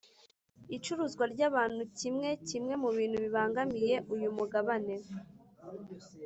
icuruzwa ry’ abantu kimwe kimwe mu bintu bibangamiye uyu mugabane